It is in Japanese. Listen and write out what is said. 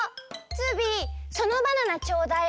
ズビーそのバナナちょうだい。